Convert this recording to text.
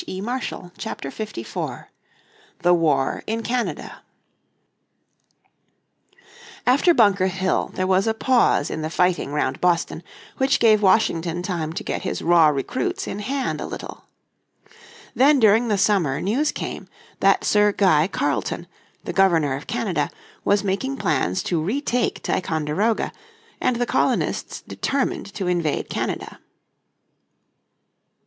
__________ Chapter 54 The War In Canada After Bunker Hill there was a pause in the fighting round Boston which gave Washington time to get his raw recruits in hand a little. Then during the summer news came that Sir Guy Carleton, the Governor of Canada, was making plans to retake Ticonderoga, and the colonists determined to invade Canada.